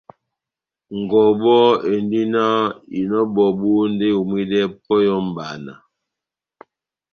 Ngɔbɔ endi náh: Inɔ ebɔbu ndi eyomwidɛ pɔhɛ ó mbana